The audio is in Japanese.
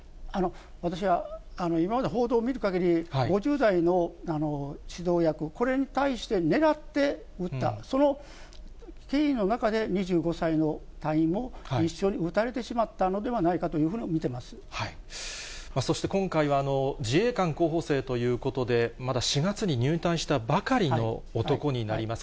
私は今まで報道を見るかぎり、５０代の指導役、これに対して狙って撃った、その経緯の中で、２５歳の隊員も一緒に撃たれてしまったのではないかというふうにそして今回は、自衛官候補生ということで、まだ４月に入隊したばかりの男になります。